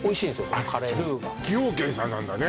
このカレールーが崎陽軒さんなんだね